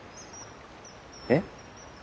えっ？